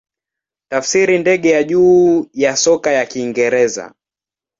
Tafsiri ndege ya juu ya soka ya Kiingereza.